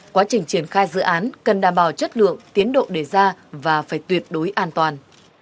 quá trình triển khai dự án cần đảm bảo chất lượng tiến độ đề ra và phải tuyệt đối an toàn